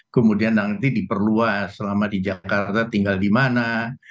kemudian nanti diperluas selama di jakarta tinggal di mana